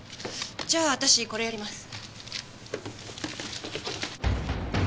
じゃあ私これやります。